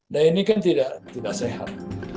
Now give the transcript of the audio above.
nah ini kan tidak sehat